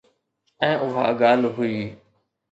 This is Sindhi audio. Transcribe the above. ۽ اها ڳالهه هئي.